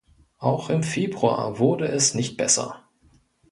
Auch im Februar wurde es nicht besser.